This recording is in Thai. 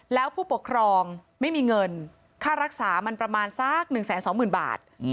แล้วผู้ปกครองไม่มีเงินค่ารักษามันประมาณสัก๑๒๐๐๐บาท